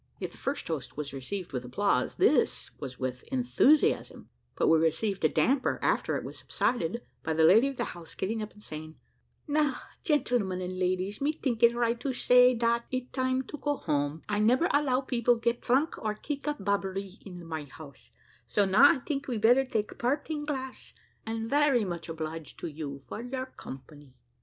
If the first toast was received with applause, this was with enthusiasm; but we received a damper after it was subsided, by the lady of the house getting up and saying "Now, gentlemen and ladies, me tink it right to say dat it time to go home; I nebber allow people get drunk or kick up bobbery in my house, so now I tink we better take parting glass, and very much obliged to you for your company."